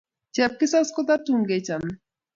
Chepkisas kototun kechome.